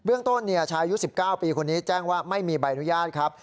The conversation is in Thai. เรื่องต้นชายุค๑๙ปีคนนี้แจ้งว่าไม่มีใบอนุญาตครับ